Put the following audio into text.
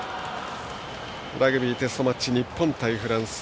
ラグビーテストマッチ日本対フランス。